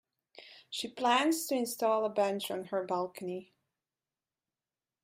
She plans to install a bench on her balcony.